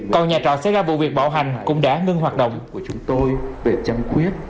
còn nhà trọ sẽ ra vụ việc bạo hành cũng đã ngưng hoạt động